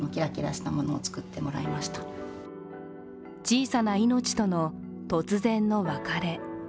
小さな命との、突然の別れ。